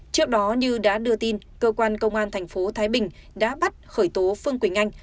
trước đó như đã đưa tin cơ quan công an thành phố thái bình đã bắt khởi tố phương quỳnh anh